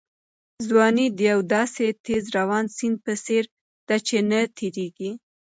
ځواني د یو داسې تېز روان سیند په څېر ده چې نه درېږي.